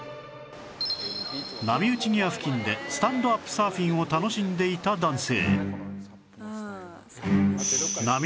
波打ち際付近でスタンドアップサーフィンを楽しんでいた男性